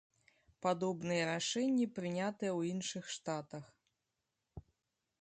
Падобныя рашэнні прынятыя ў іншых штатах.